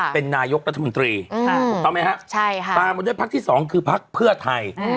เป็นนายกรัฐมนตรีถูกต้องไหมครับตามมาด้วยพักที่๒คือพักเพื่อไทย